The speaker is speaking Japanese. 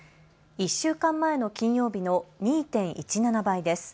１週間前の金曜日の２．１７倍です。